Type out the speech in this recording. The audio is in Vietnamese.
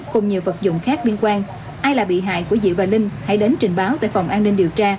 cùng nhiều vật dụng khác biên quan ai là bị hại của diệu và linh hãy đến trình báo tại phòng an ninh điều tra